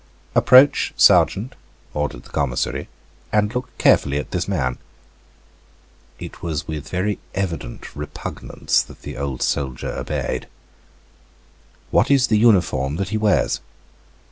"Approach, sergeant," ordered the commissary, "and look carefully at this man." It was with very evident repugnance that the old soldier obeyed. "What is the uniform that he wears?"